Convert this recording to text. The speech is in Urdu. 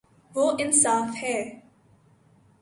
وہ انصا ف ہے